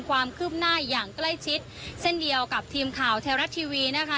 ความคืบหน้าอย่างใกล้ชิดเช่นเดียวกับทีมข่าวไทยรัฐทีวีนะคะ